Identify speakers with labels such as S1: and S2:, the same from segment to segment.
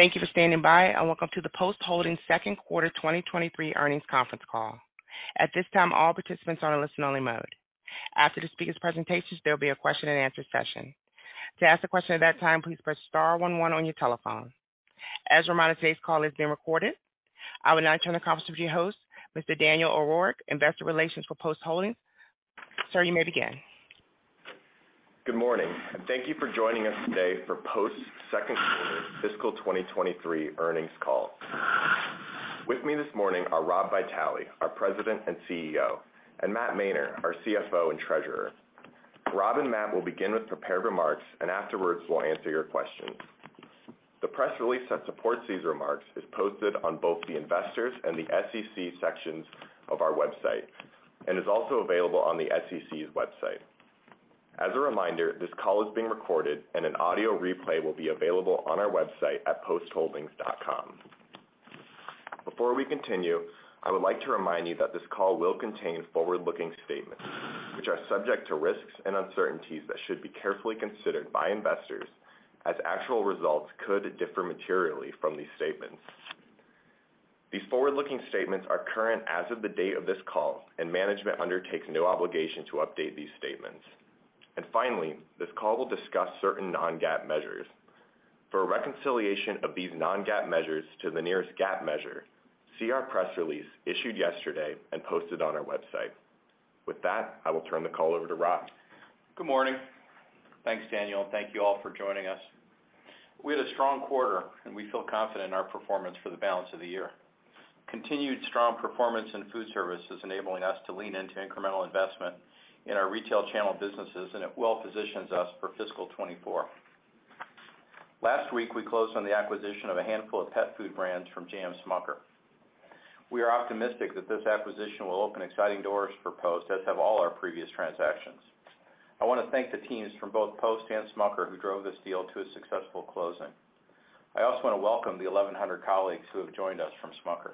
S1: Thank you for standing by, and welcome to the Post Holdings Q2 2023 earnings conference call. At this time, all participants are in listen-only mode. After the speaker's presentations, there'll be a question-and-answer session. To ask a question at that time, please press star one one on your telephone. As a reminder, today's call is being recorded. I will now turn the conference over to your host, Mr. Daniel O'Rourke, investor relations for Post Holdings. Sir, you may begin.
S2: Good morning, thank you for joining us today for Post Holdings' Q2 fiscal 2023 earnings call. With me this morning are Rob Vitale, our President and CEO, and Matt Mainer, our CFO and Treasurer. Rob and Matt will begin with prepared remarks, afterwards we'll answer your questions. The press release that supports these remarks is posted on both the Investors and the SEC sections of our website and is also available on the SEC's website. As a reminder, this call is being recorded, and an audio replay will be available on our website at postholdings.com. Before we continue, I would like to remind you that this call will contain forward-looking statements, which are subject to risks and uncertainties that should be carefully considered by investors, as actual results could differ materially from these statements. These forward-looking statements are current as of the date of this call, management undertakes no obligation to update these statements. Finally, this call will discuss certain non-GAAP measures. For a reconciliation of these non-GAAP measures to the nearest GAAP measure, see our press release issued yesterday and posted on our website. With that, I will turn the call over to Rob.
S3: Good morning. Thanks, Daniel, and thank you all for joining us. We had a strong quarter. We feel confident in our performance for the balance of the year. Continued strong performance in food service is enabling us to lean into incremental investment in our retail channel businesses. It well positions us for fiscal 24. Last week, we closed on the acquisition of a handful of pet food brands from J.M. Smucker. We are optimistic that this acquisition will open exciting doors for Post, as have all our previous transactions. I wanna thank the teams from both Post and Smucker who drove this deal to a successful closing. I also wanna welcome the 1,100 colleagues who have joined us from Smucker.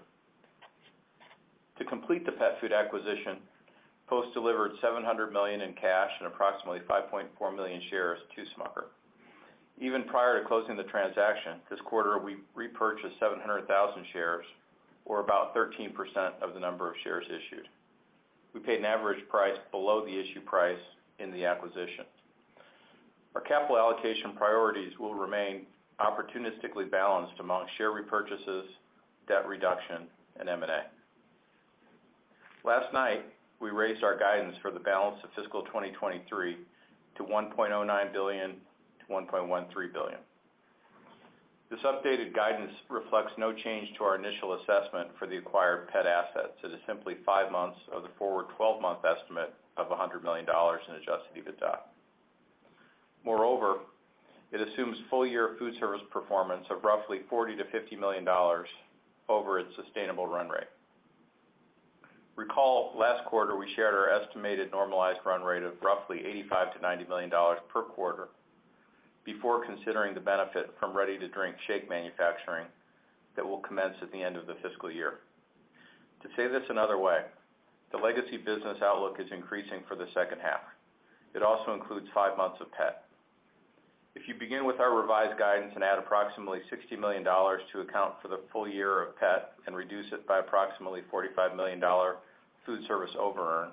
S3: To complete the pet food acquisition, Post delivered $700 million in cash and approximately 5.4 million shares to Smucker. Even prior to closing the transaction, this quarter, we repurchased 700,000 shares, or about 13% of the number of shares issued. We paid an average price below the issue price in the acquisition. Our capital allocation priorities will remain opportunistically balanced among share repurchases, debt reduction, and M&A. Last night, we raised our guidance for the balance of fiscal 2023 to $1.09 billion to 1.13 billion. This updated guidance reflects no change to our initial assessment for the acquired pet assets. It is simply 5 months of the forward 12-month estimate of $100 million in adjusted EBITDA. It assumes full-year food service performance of roughly $40 million to 50 million over its sustainable run rate. Recall, last quarter we shared our estimated normalized run rate of roughly $85 million to 90 million per quarter before considering the benefit from ready-to-drink shake manufacturing that will commence at the end of the fiscal year. To say this another way, the legacy business outlook is increasing for the second half. It also includes five months of pet. If you begin with our revised guidance and add approximately $60 million to account for the full year of pet and reduce it by approximately $45 million foodservice over earn,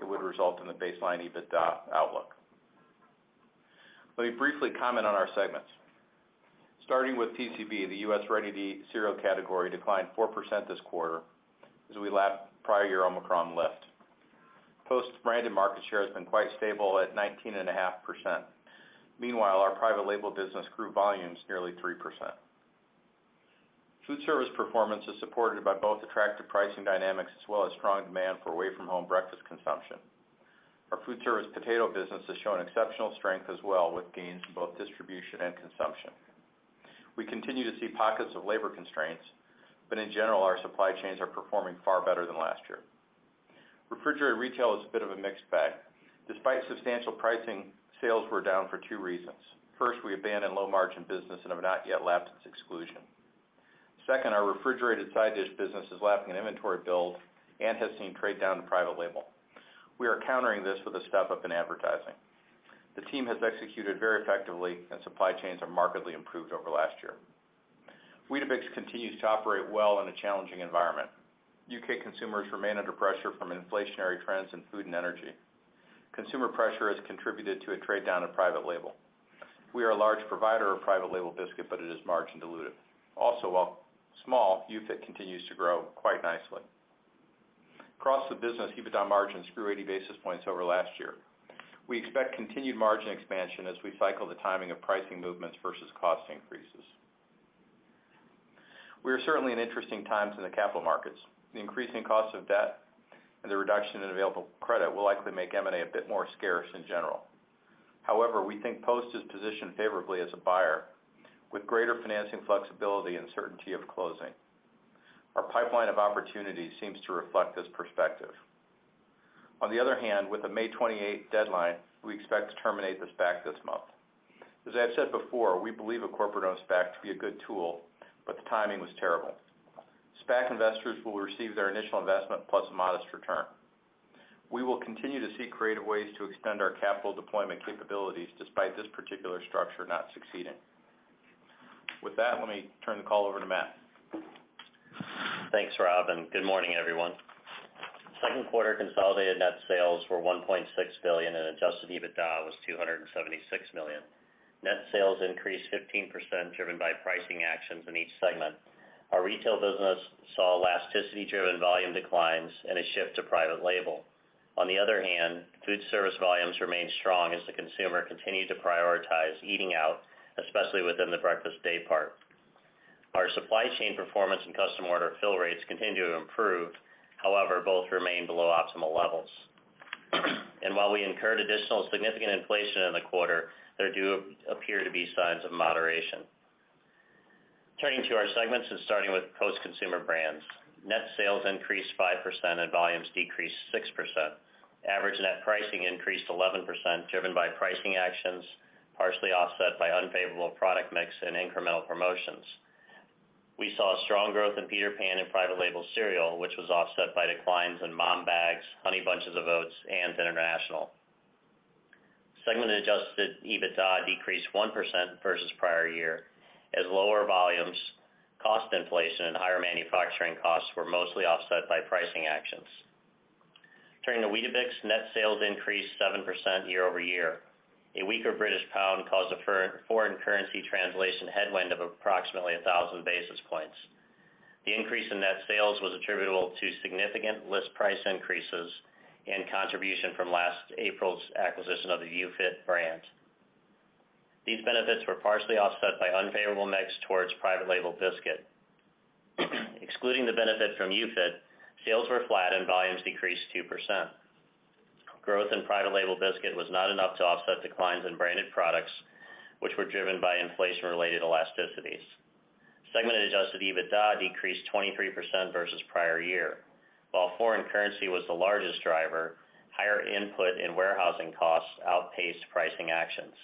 S3: it would result in the baseline EBITDA outlook. Let me briefly comment on our segments. Starting with TCB, the U.S. ready-to-eat cereal category declined 4% this quarter as we lapped prior year Omicron lift. Post's branded market share has been quite stable at 19.5%. Meanwhile, our private label business grew volumes nearly 3%. Foodservice performance is supported by both attractive pricing dynamics as well as strong demand for away from home breakfast consumption. Our foodservice potato business has shown exceptional strength as well with gains in both distribution and consumption. We continue to see pockets of labor constraints, but in general, our supply chains are performing far better than last year. Refrigerated retail is a bit of a mixed bag. Despite substantial pricing, sales were down for two reasons. First, we abandoned low-margin business and have not yet lapped its exclusion. Second, our refrigerated side dish business is lapping an inventory build and has seen trade down to private label. We are countering this with a step-up in advertising. The team has executed very effectively and supply chains are markedly improved over last year. Weetabix continues to operate well in a challenging environment. U.K. consumers remain under pressure from inflationary trends in food and energy. Consumer pressure has contributed to a trade down to private label. We are a large provider of private label biscuit. It is margin dilutive. While small, UFIT continues to grow quite nicely. Across the business, EBITDA margins grew 80 basis points over last year. We expect continued margin expansion as we cycle the timing of pricing movements versus cost increases. We are certainly in interesting times in the capital markets. The increasing cost of debt and the reduction in available credit will likely make M&A a bit more scarce in general. We think Post is positioned favorably as a buyer with greater financing flexibility and certainty of closing. Our pipeline of opportunities seems to reflect this perspective. With the May 28 deadline, we expect to terminate the SPAC this month. As I've said before, we believe a corporate-owned SPAC to be a good tool. The timing was terrible. SPAC investors will receive their initial investment plus a modest return. We will continue to seek creative ways to extend our capital deployment capabilities despite this particular structure not succeeding. With that, let me turn the call over to Matt.
S4: Thanks, Rob, and good morning, everyone. Q2 consolidated net sales were $1.6 billion and adjusted EBITDA was $276 million. Net sales increased 15% driven by pricing actions in each segment. Our retail business saw elasticity driven volume declines and a shift to private label. On the other hand, food service volumes remained strong as the consumer continued to prioritize eating out, especially within the breakfast day part. Our supply chain performance and custom order fill rates continue to improve. However, both remain below optimal levels. While we incurred additional significant inflation in the quarter, there do appear to be signs of moderation. Turning to our segments and starting with Post Consumer Brands. Net sales increased 5% and volumes decreased 6%. Average net pricing increased 11% driven by pricing actions, partially offset by unfavorable product mix and incremental promotions. We saw strong growth in Peter Pan and private label cereal, which was offset by declines in Malt-O-Meal bags, Honey Bunches of Oats, and international. Segment adjusted EBITDA decreased 1% versus prior year as lower volumes, cost inflation, and higher manufacturing costs were mostly offset by pricing actions. Turning to Weetabix, net sales increased 7% year-over-year. A weaker British pound caused a for-foreign currency translation headwind of approximately 1,000 basis points. The increase in net sales was attributable to significant list price increases and contribution from last April's acquisition of the UFIT brand. These benefits were partially offset by unfavorable mix towards private label biscuit. Excluding the benefit from UFIT, sales were flat and volumes decreased 2%. Growth in private label biscuit was not enough to offset declines in branded products, which were driven by inflation-related elasticities. Segment adjusted EBITDA decreased 23% versus prior year. While foreign currency was the largest driver, higher input in warehousing costs outpaced pricing actions.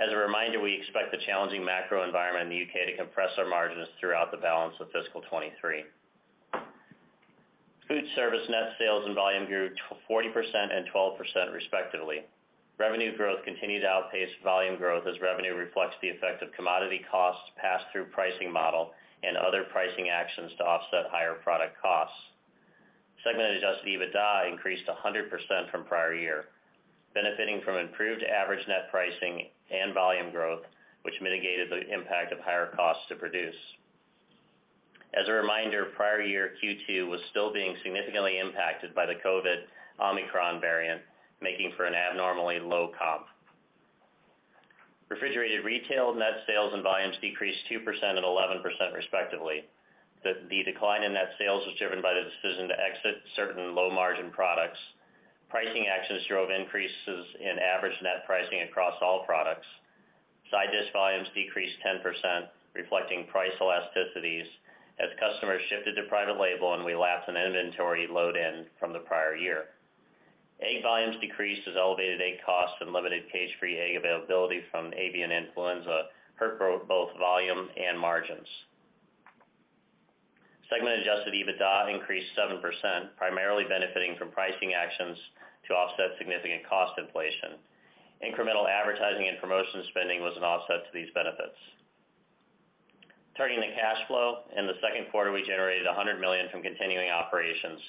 S4: As a reminder, we expect the challenging macro environment in the U.K. to compress our margins throughout the balance of fiscal 2023. Food service net sales and volume grew 40% and 12% respectively. Revenue growth continued to outpace volume growth as revenue reflects the effect of commodity costs passed through pricing model and other pricing actions to offset higher product costs. Segment adjusted EBITDA increased 100% from prior year, benefiting from improved average net pricing and volume growth, which mitigated the impact of higher costs to produce. As a reminder, prior year Q2 was still being significantly impacted by the COVID Omicron variant, making for an abnormally low comp. Refrigerated retail net sales and volumes decreased 2% and 11% respectively. The decline in net sales was driven by the decision to exit certain low margin products. Pricing actions drove increases in average net pricing across all products. Side dish volumes decreased 10%, reflecting price elasticities as customers shifted to private label and we lapsed an inventory load in from the prior year. Egg volumes decreased as elevated egg costs and limited cage-free egg availability from avian influenza hurt both volume and margins. Segment adjusted EBITDA increased 7%, primarily benefiting from pricing actions to offset significant cost inflation. Incremental advertising and promotion spending was an offset to these benefits. Turning to cash flow. In the Q2, we generated $100 million from continuing operations,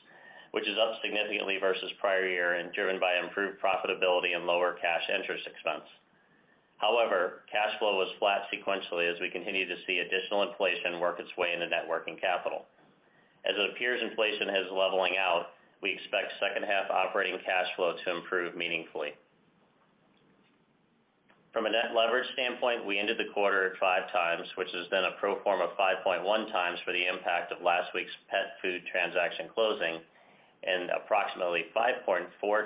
S4: which is up significantly versus prior year and driven by improved profitability and lower cash interest expense. Cash flow was flat sequentially as we continue to see additional inflation work its way into net working capital. As it appears inflation is leveling out, we expect second half operating cash flow to improve meaningfully. From a net leverage standpoint, we ended the quarter at 5 times, which has been a pro forma 5.1 times for the impact of last week's pet food transaction closing and approximately 5.4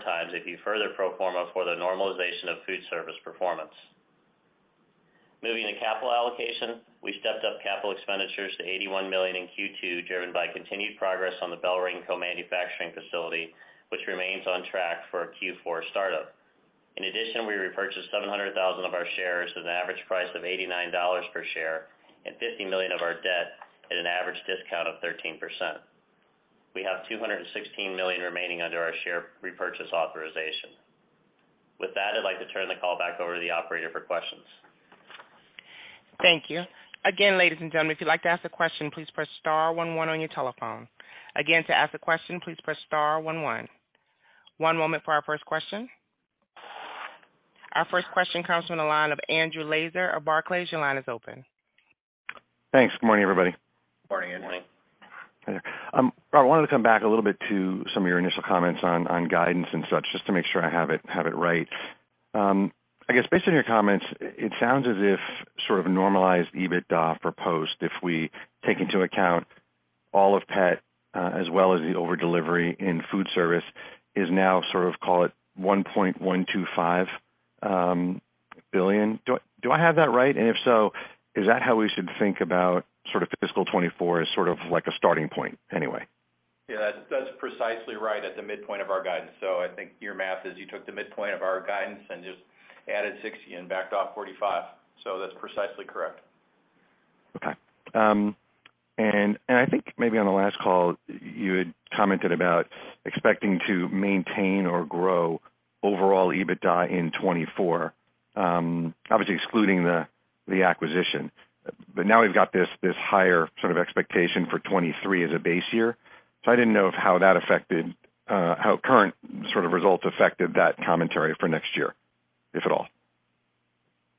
S4: times if you further pro forma for the normalization of foodservice performance. Moving to capital allocation. We stepped up capital expenditures to $81 million in Q2, driven by continued progress on the BellRing co-manufacturing facility, which remains on track for a Q4 startup. We repurchased 700,000 of our shares at an average price of $89 per share and $50 million of our debt at an average discount of 13%. We have $216 million remaining under our share repurchase authorization. With that, I'd like to turn the call back over to the operator for questions.
S1: Thank you. Again, ladies and gentlemen. if you'd like to ask a question, please press star one one on your telephone. Again, to ask a question, please press star one one. One moment for our first question. Our first question comes from the line of Andrew Lazar of Barclays. Your line is open.
S5: Thanks. Good morning, everybody.
S4: Morning, Andrew.
S3: Morning.
S5: Hi there. Rob, I wanted to come back a little bit to some of your initial comments on guidance and such, just to make sure I have it, have it right. I guess based on your comments, it sounds as if sort of a normalized EBITDA for Post, if we take into account all of pet, as well as the over delivery in foodservice, is now sort of, call it, $1.125 billion. Do I have that right? If so, is that how we should think about sort of fiscal 2024 as sort of like a starting point anyway?
S3: Yeah, that's precisely right at the midpoint of our guidance. I think your math is you took the midpoint of our guidance and just added 60 and backed off 45. That's precisely correct.
S5: Okay. I think maybe on the last call you had commented about expecting to maintain or grow overall EBITDA in 2024, obviously excluding the acquisition. Now we've got this higher sort of expectation for 2023 as a base year. I didn't know if how that affected, how current sort of results affected that commentary for next year, if at all.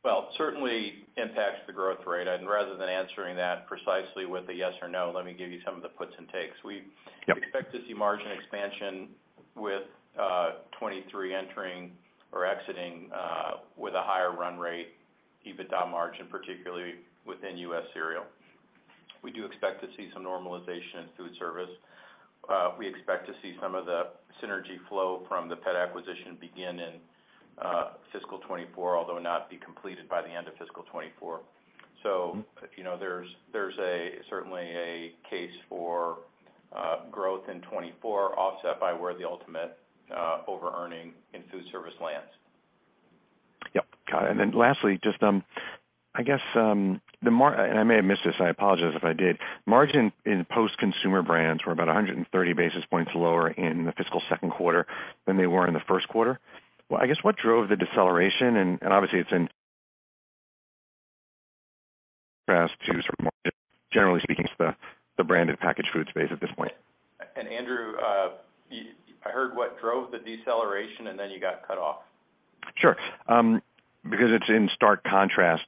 S3: Well, certainly impacts the growth rate. Rather than answering that precisely with a yes or no, let me give you some of the puts and takes.
S5: Yes.
S3: We expect to see margin expansion with 2023 entering or exiting with a higher run rate EBITDA margin, particularly within US cereal. We do expect to see some normalization in foodservice. We expect to see some of the synergy flow from the pet acquisition begin in fiscal 2024, although not be completed by the end of fiscal 2024.
S5: Mm-hmm.
S3: There's a certainly a case for growth in 2024, offset by where the ultimate overearning in food service lands.
S5: Yes, got it. Lastly, just, I guess, and I may have missed this. I apologize if I did. Margin in Post Consumer Brands were about 130 basis points lower in the fiscal Q2 than they were in the Q1. Well, I guess what drove the deceleration, and obviously it's in contrast to sort of more, generally speaking, to the branded packaged foods base at this point?
S3: Andrew, I heard what drove the deceleration, and then you got cut off.
S5: Sure. It's in stark contrast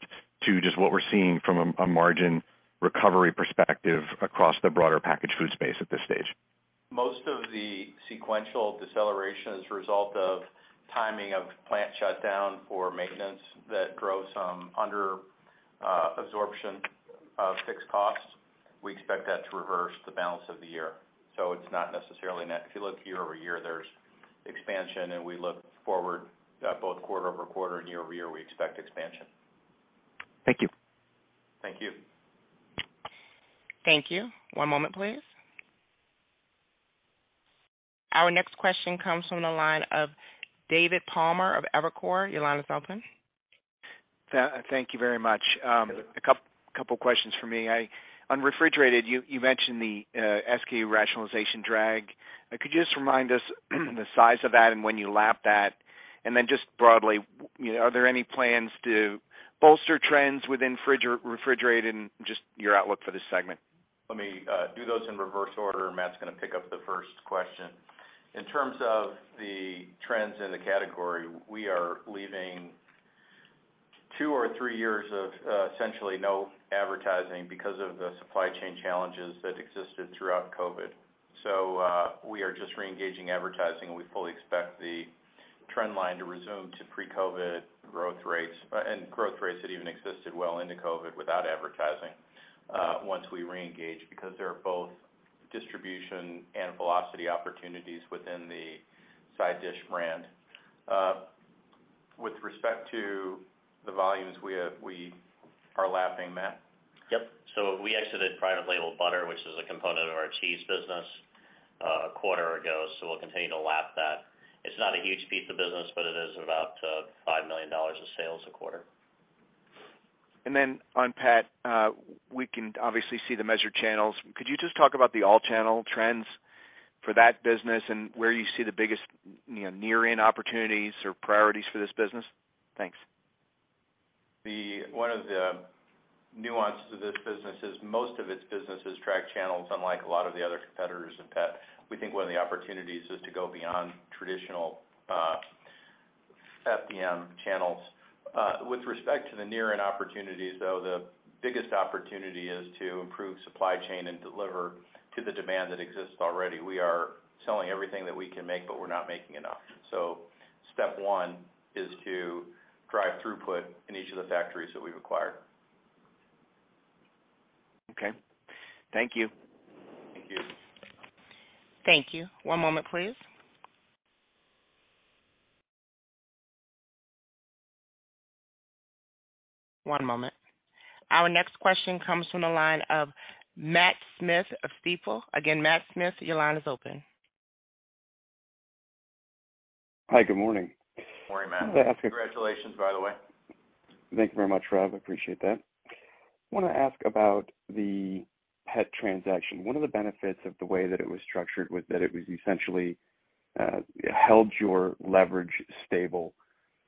S5: to just what we're seeing from a margin recovery perspective across the broader packaged food space at this stage.
S3: Most of the sequential deceleration is a result of timing of plant shutdown for maintenance that drove some under absorption of fixed costs. We expect that to reverse the balance of the year. It's not necessarily net. If you look year-over-year, there's expansion, and we look forward, both quarter-over-quarter and year-over-year, we expect expansion.
S5: Thank you.
S3: Thank you.
S1: Thank you. One moment, please. Our next question comes from the line of David Palmer of Evercore. Your line is open.
S6: Thank you very much. couple questions for me. On refrigerated, you mentioned the SKU rationalization drag. Could you just remind us the size of that and when you lap that? Then just broadly, you know, are there any plans to bolster trends within refrigerated and just your outlook for this segment?
S3: Let me do those in reverse order. Matt's gonna pick up the first question. In terms of the trends in the category, we are leaving 2 or 3 years of essentially no advertising because of the supply chain challenges that existed throughout COVID. We are just reengaging advertising, and we fully expect the trend line to resume to pre-COVID growth rates and growth rates that even existed well into COVID without advertising once we reengage, because there are both distribution and velocity opportunities within the side dish brand. With respect to the volumes we are lapping, Matt?
S4: Yep. We exited private label butter, which is a component of our cheese business, a quarter ago, so we'll continue to lap that. It's not a huge piece of business, but it is about $5 million of sales a quarter.
S6: On pet, we can obviously see the measured channels. Could you just talk about the all-channel trends for that business and where you see the biggest, you know, near-in opportunities or priorities for this business? Thanks.
S3: one of the nuances to this business is most of its business is track channels, unlike a lot of the other competitors in pet. We think one of the opportunities is to go beyond traditional FDM channels. With respect to the near-in opportunities, though, the biggest opportunity is to improve supply chain and deliver to the demand that exists already. We are selling everything that we can make, but we're not making enough. Step one is to drive throughput in each of the factories that we've acquired.
S6: Okay. Thank you.
S3: Thank you.
S1: Thank you. One moment, please. One moment. Our next question comes from the line of Matt Smith of Stifel. Again, Matt Smith, your line is open.
S7: Hi, good morning.
S3: Morning, Matt. Congratulations, by the way.
S7: Thank you very much, Rob. I appreciate that. Wanna ask about the pet transaction. One of the benefits of the way that it was structured was that it was essentially held your leverage stable,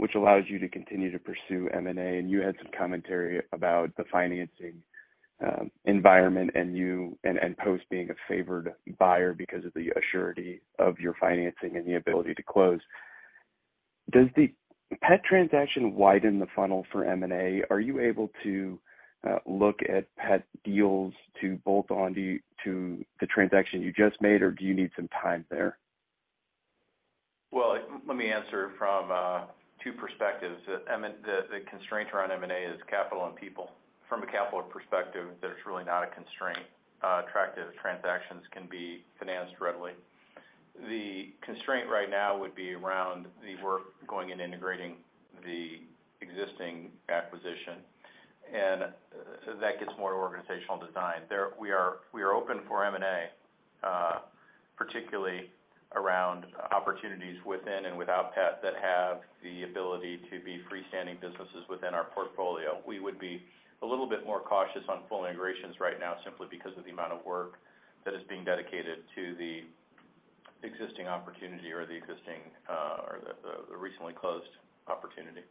S7: which allows you to continue to pursue M&A, and Post being a favored buyer because of the surety of your financing environment and the ability to close. Does the pet transaction widen the funnel for M&A? Are you able to look at pet deals to bolt on to the transaction you just made, or do you need some time there?
S3: Well, let me answer from two perspectives. The constraint around M&A is capital and people. From a capital perspective, there's truly not a constraint. Attractive transactions can be financed readily. The constraint right now would be around the work going and integrating the existing acquisition, and that gets more organizational design. We are open for M&A, particularly around opportunities within and without pet that have the ability to be freestanding businesses within our portfolio. We would be a little bit more cautious on full integrations right now simply because of the amount of work that is being dedicated to the existing opportunity or the existing, or the recently closed opportunity.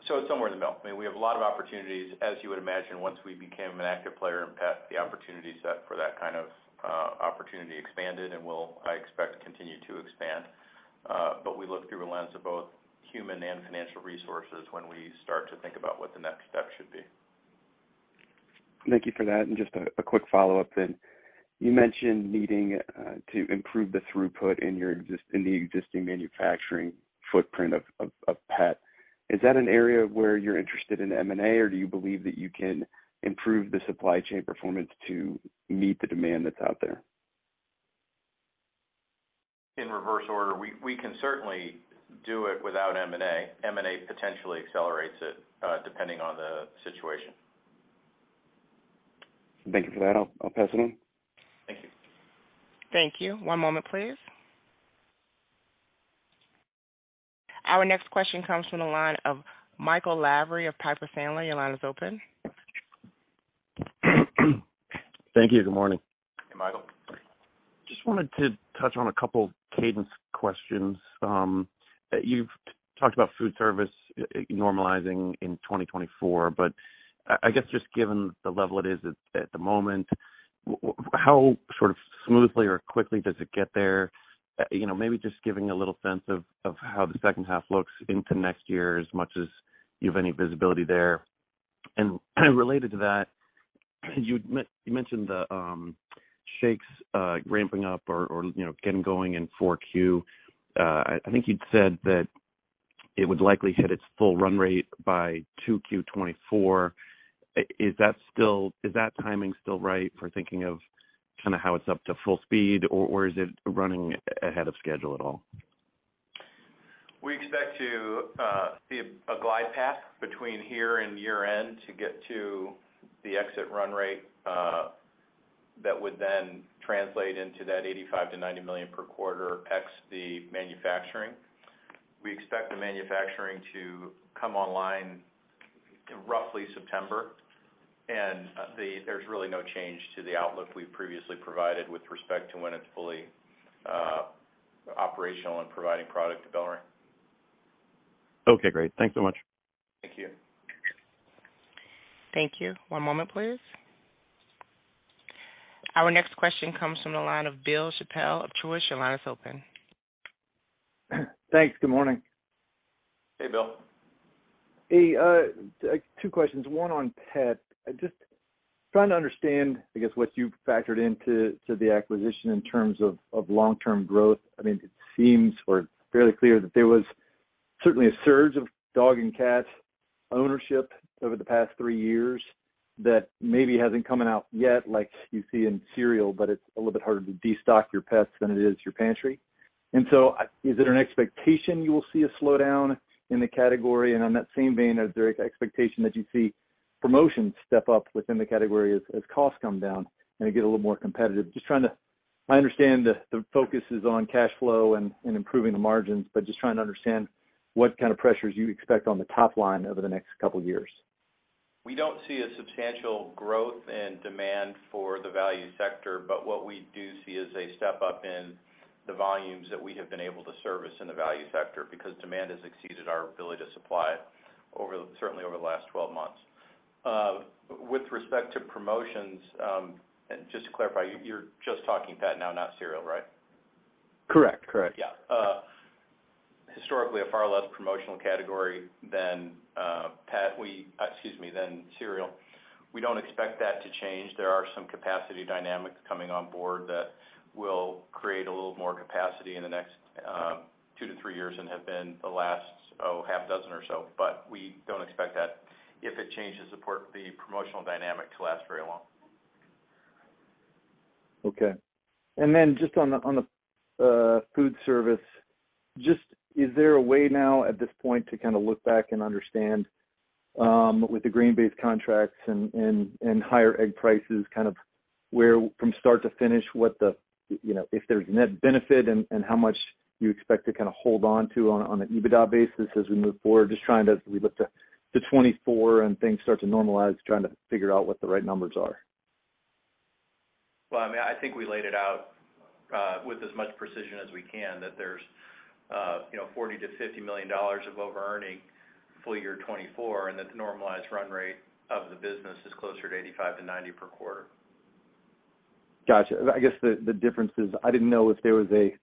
S3: It's somewhere in the middle. I mean, we have a lot of opportunities. As you would imagine, once we became an active player in pet, the opportunity set for that kind of, opportunity expanded and will, I expect, continue to expand. We look through a lens of both human and financial resources when we start to think about what the next step should be.
S7: Thank you for that. Just a quick follow-up then. You mentioned needing to improve the throughput in the existing manufacturing footprint of pet. Is that an area where you're interested in M&A, or do you believe that you can improve the supply chain performance to meet the demand that's out there?
S3: In reverse order, we can certainly do it without M&A. M&A potentially accelerates it, depending on the situation.
S7: Thank you for that. I'll pass it on.
S3: Thank you.
S1: Thank you. One moment, please. Our next question comes from the line of Michael Lavery of Piper Sandler. Your line is open.
S8: Thank you. Good morning.
S3: Hey, Michael.
S8: Just wanted to touch on a couple cadence questions. You've talked about food service normalizing in 2024, but I guess just given the level it is at the moment, how sort of smoothly or quickly does it get there? You know, maybe just giving a little sense of how the second half looks into next year, as much as you have any visibility there. Related to that, you mentioned the shakes ramping up or, you know, getting going in 4Q. I think you'd said that it would likely hit its full run rate by 2Q 2024. Is that timing still right for thinking of kinda how it's up to full speed, or is it running ahead of schedule at all?
S3: We expect to see a glide path between here and year-end to get to the exit run rate that would then translate into that $85 million-$90 million per quarter ex the manufacturing. We expect the manufacturing to come online roughly September. There's really no change to the outlook we previously provided with respect to when it's fully operational and providing product to BellRing.
S8: Okay, great. Thanks so much.
S3: Thank you.
S1: Thank you. One moment, please. Our next question comes from the line of Bill Chappell of Truist. Your line is open.
S9: Thanks. Good morning.
S3: Hey, Bill.
S9: Hey, two questions, one on pet. Just trying to understand, I guess, what you've factored into the acquisition in terms of long-term growth. I mean, it seems or fairly clear that there was certainly a surge of dog and cat ownership over the past three years that maybe hasn't come out yet like you see in cereal, but it's a little bit harder to de-stock your pets than it is your pantry. Is it an expectation you will see a slowdown in the category? On that same vein, is there expectation that you see promotions step up within the category as costs come down and it get a little more competitive? I understand the focus is on cash flow and improving the margins, but just trying to understand what kind of pressures you expect on the top line over the next couple years.
S3: We don't see a substantial growth and demand for the value sector. What we do see is a step up in the volumes that we have been able to service in the value sector because demand has exceeded our ability to supply over, certainly over the last 12 months. With respect to promotions, just to clarify, you're just talking pet now, not cereal, right?
S9: Correct. Correct.
S3: Yeah. Historically, a far less promotional category than pet. We, excuse me, than cereal. We don't expect that to change. There are some capacity dynamics coming on board that will create a little more capacity in the next 2-3 years and have been the last, oh, half dozen or so. We don't expect that if it changes, support the promotional dynamic to last very long.
S9: Okay. Just on the food service, just is there a way now at this point to kinda look back and understand with the grain-based contracts and higher egg prices, kind of where from start to finish, what the, you know, if there's net benefit and how much you expect to kinda hold on to on an EBITDA basis as we move forward? Just trying to look to 2024 and things start to normalize, trying to figure out what the right numbers are.
S3: Well, I mean, I think we laid it out, with as much precision as we can that there's, you know, $40 million-$50 million of overearning full year 2024, and that the normalized run rate of the business is closer to $85 million-$90 million per quarter.
S9: Gotcha. I guess the difference is I didn't know if there was a,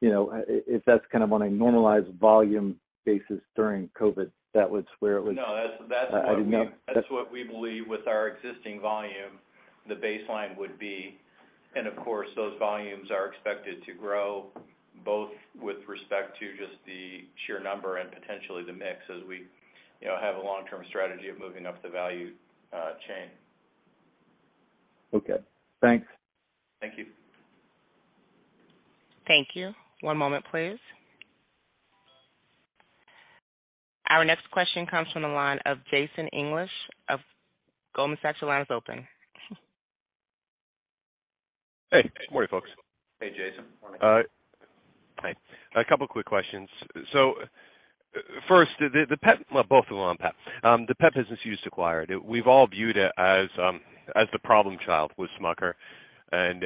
S9: you know, if that's kind of on a normalized volume basis during COVID, that was where it was-
S3: No, that's what we.
S9: I did not-
S3: That's what we believe with our existing volume, the baseline would be. Of course, those volumes are expected to grow both with respect to just the sheer number and potentially the mix as we, you know, have a long-term strategy of moving up the value chain.
S9: Okay. Thanks.
S3: Thank you.
S1: Thank you. One moment, please. Our next question comes from the line of Jason English of Goldman Sachs, your line is open.
S10: Hey, good morning, folks.
S3: Hey, Jason. Morning.
S10: Hi. A couple quick questions. First, the pet business you just acquired, we've all viewed it as the problem child with Smucker and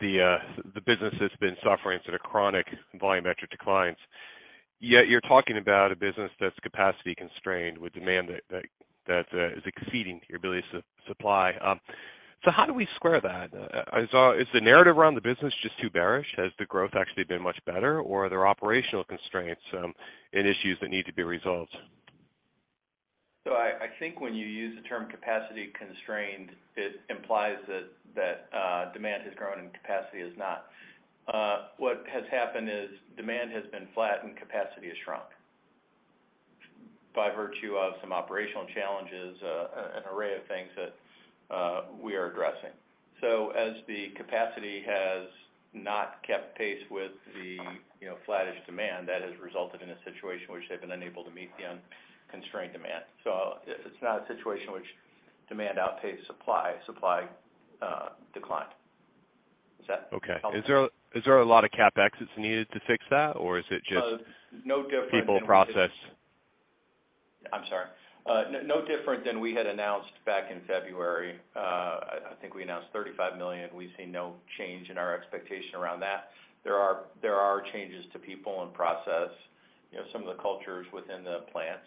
S10: the business that's been suffering sort of chronic volumetric declines. Yet you're talking about a business that's capacity constrained with demand that is exceeding your ability to supply. How do we square that? Is the narrative around the business just too bearish? Has the growth actually been much better or are there operational constraints and issues that need to be resolved?
S3: I think when you use the term capacity constrained, it implies that demand has grown and capacity has not. What has happened is demand has been flat and capacity has shrunk by virtue of some operational challenges, an array of things that we are addressing. As the capacity has not kept pace with the, you know, flattish demand, that has resulted in a situation which they've been unable to meet the unconstrained demand. It's not a situation which demand outpaced supply. Supply declined. Does that help?
S10: Okay. Is there a lot of CapEx that's needed to fix that or is it just-?
S3: No different than we just.
S10: people process?
S3: I'm sorry. No different than we had announced back in February. I think we announced $35 million. We see no change in our expectation around that. There are changes to people and process, you know, some of the cultures within the plants.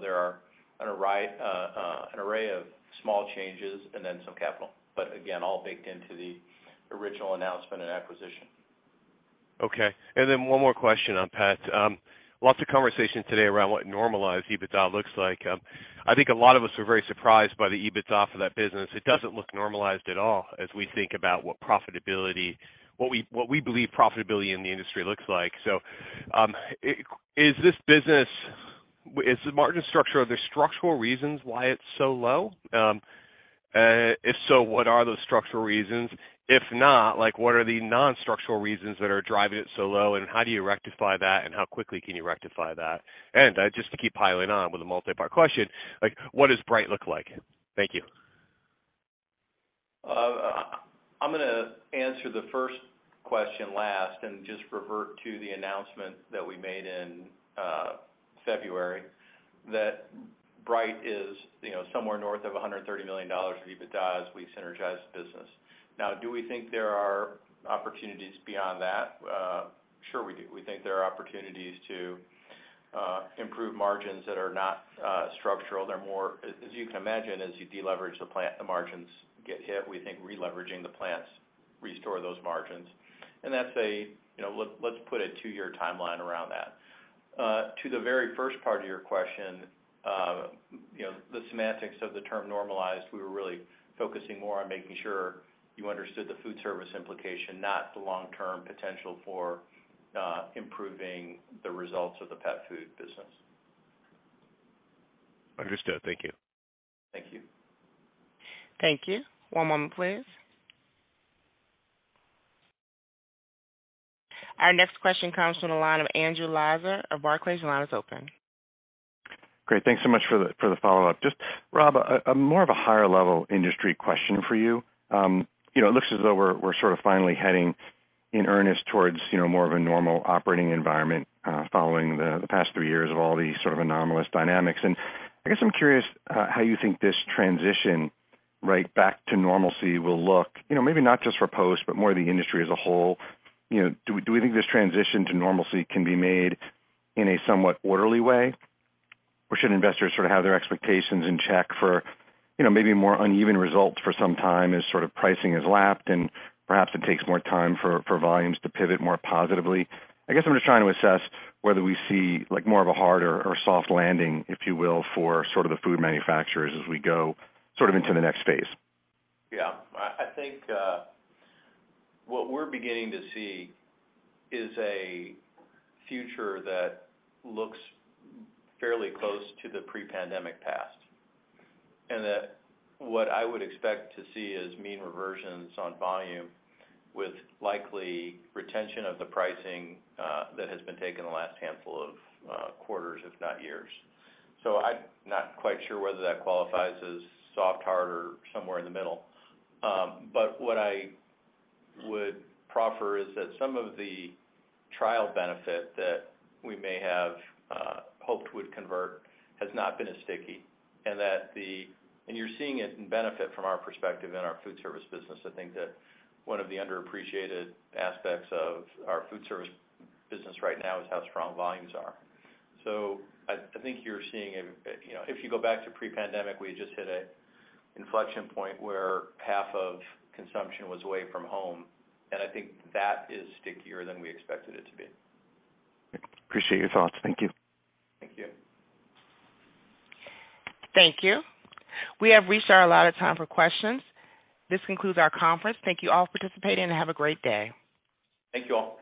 S3: There are an array of small changes and then some capital, but again, all baked into the original announcement and acquisition.
S10: Okay. One more question on pets. Lots of conversation today around what normalized EBITDA looks like. I think a lot of us were very surprised by the EBITDA off of that business. It doesn't look normalized at all as we think about what profitability, what we believe profitability in the industry looks like. Is this business, is the margin structure, are there structural reasons why it's so low? If so, what are those structural reasons? If not, like, what are the non-structural reasons that are driving it so low, and how do you rectify that and how quickly can you rectify that? Just to keep piling on with a multi-part question, like what does Bright look like? Thank you.
S3: I'm gonna answer the first question last and just revert to the announcement that we made in February that Bright is, you know, somewhere north of $130 million of EBITDA as we synergize the business. Do we think there are opportunities beyond that? Sure we do. We think there are opportunities to improve margins that are not structural. As you can imagine, as you deleverage the plant, the margins get hit. We think releveraging the plants restore those margins. That's a, you know, let's put a two-year timeline around that. To the very first part of your question, you know, the semantics of the term normalized, we were really focusing more on making sure you understood the foodservice implication, not the long-term potential for improving the results of the pet food business.
S10: Understood. Thank you.
S3: Thank you.
S1: Thank you. One moment please. Our next question comes from the line of Andrew Lazar of Barclays. Your line is open.
S5: Great. Thanks so much for the follow-up. Just Rob, a more of a higher level industry question for you. You know, it looks as though we're sort of finally heading in earnest towards, you know, more of a normal operating environment, following the past three years of all these sort of anomalous dynamics. I guess I'm curious, how you think this transition right back to normalcy will look, you know, maybe not just for Post, but more the industry as a whole. You know, do we think this transition to normalcy can be made in a somewhat orderly way? Or should investors sort of have their expectations in check for, you know, maybe more uneven results for some time as sort of pricing has lapped and perhaps it takes more time for volumes to pivot more positively? I guess I'm just trying to assess whether we see like more of a hard or soft landing, if you will, for sort of the food manufacturers as we go sort of into the next phase.
S3: I think what we're beginning to see is a future that looks fairly close to the pre-pandemic past. What I would expect to see is mean reversions on volume with likely retention of the pricing that has been taken the last handful of quarters, if not years. I'm not quite sure whether that qualifies as soft, hard, or somewhere in the middle. What I would proffer is that some of the trial benefit that we may have hoped would convert has not been as sticky and you're seeing it in benefit from our perspective in our food service business. I think that one of the underappreciated aspects of our food service business right now is how strong volumes are. I think you're seeing. If you go back to pre-pandemic, we just hit a inflection point where half of consumption was away from home. I think that is stickier than we expected it to be.
S5: Appreciate your thoughts. Thank you.
S3: Thank you.
S1: Thank you. We have reached our allotted time for questions. This concludes our conference. Thank you all for participating and have a great day.
S3: Thank you all.